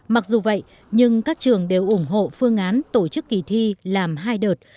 mặc dù vậy nhưng các trường đều ủng hộ phương án tổ chức kỳ thi làm hai đợt